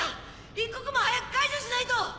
一刻も早く解除しないと！